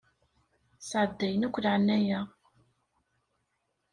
Sɛeddayen akk laɛnaya.